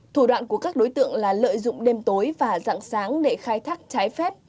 thủ đoạn của các đối tượng là lợi dụng đêm tối và dạng sáng để khai thác trái phép